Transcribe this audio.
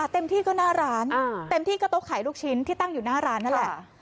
เต็มที่ก็หน้าร้านเต็มที่ก็โต๊ะขายลูกชิ้นที่ตั้งอยู่หน้าร้านนั่นแหละ